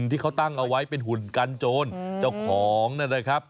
ที่เขาตั้งเอาไว้เป็นหุ่นกันโจรเจ้าของนะครับ